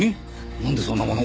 なんでそんなもの。